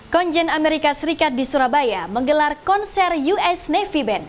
konjen amerika serikat di surabaya menggelar konser us navy band